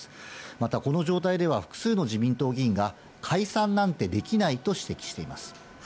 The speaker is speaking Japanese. また、この状態では、複数の自民党議員が、解散なんてできないと指摘しています。